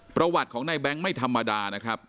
ประวัติของนายแบงค์ไม่ธรรมดานะครับ